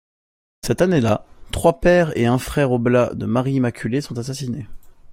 Cette année-là, trois pères et un frère oblats de Marie-Immaculée sont assassinés.